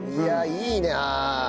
いいね。